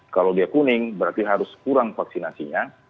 kalau dia kuning berarti harus kurang vaksinasinya